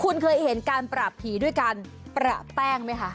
คุณเคยเห็นการปราบผีด้วยการประแป้งไหมคะ